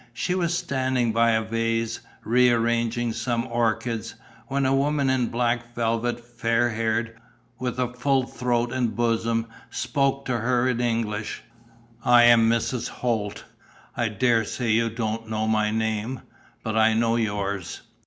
She was standing by a vase, rearranging some orchids, when a woman in black velvet, fair haired, with a full throat and bosom, spoke to her in English: "I am Mrs. Holt. I dare say you don't know my name, but I know yours.